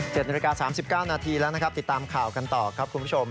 เจ็ดนาฬิกา๓๙นาทีแล้วนะครับติดตามข่าวกันต่อครับคุณผู้ชม